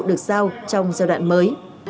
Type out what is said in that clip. được giao trong giai đoạn mới